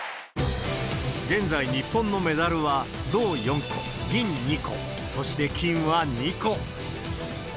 現在、日本のメダルは銅４個、銀２個、そして金は２個。